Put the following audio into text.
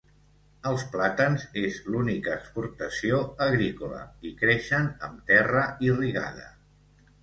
Els plàtans és l'única exportació agrícola, i creixen amb terra irrigada.